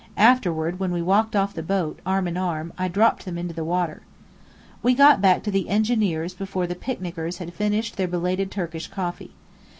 Afterward, when we walked off the boat, arm in arm, I dropped them into the water. We got back to the engineer's before the picnickers had finished their belated Turkish coffee.